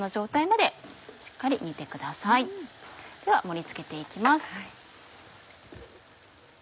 では盛り付けて行きます。